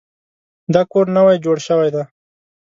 دا کور نوی جوړ شوی دی